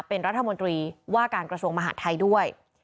เป็นรัฐมนตรีว่าการกระทรวงมหาดไทยด้วย